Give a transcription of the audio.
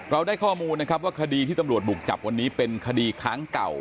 ได้ข้อมูลนะครับว่าคดีที่ตำรวจบุกจับวันนี้เป็นคดีค้างเก่า